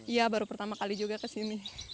iya baru pertama kali juga ke sini